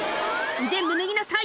全部脱ぎなさい！」